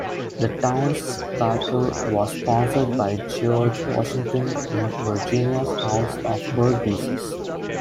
The town's charter was sponsored by George Washington in Virginia's House of Burgesses.